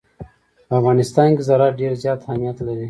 په افغانستان کې زراعت ډېر زیات اهمیت لري.